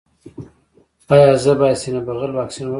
ایا زه باید د سینه بغل واکسین وکړم؟